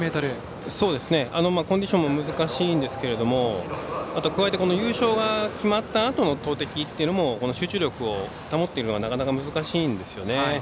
コンディションも難しいんですけれども加えて、優勝が決まったあとの投てきというのも集中力を保っているのを難しいんですよね。